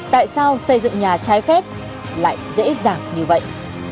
tại sao xây dựng nhà trái phép lại dễ dàng như vậy